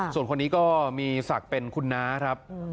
ส่วนคนนี้ก็มีศักดิ์เป็นคุณน้าครับ